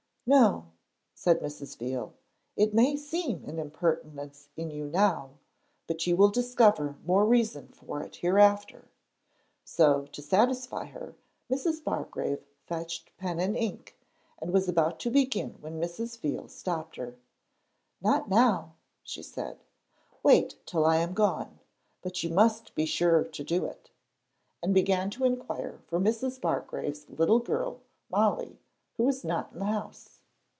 'No,' said Mrs. Veal; 'it may seem an impertinence in you now, but you will discover more reason for it hereafter;' so to satisfy her, Mrs. Bargrave fetched pen and ink and was about to begin when Mrs. Veal stopped her. 'Not now,' she said; 'wait till I am gone; but you must be sure to do it,' and began to inquire for Mrs. Bargrave's little girl, Molly, who was not in the house.